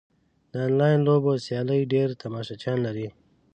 د انلاین لوبو سیالۍ ډېر تماشچیان لري.